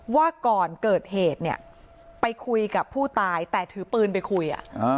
ว่าก่อนเกิดเหตุเนี่ยไปคุยกับผู้ตายแต่ถือปืนไปคุย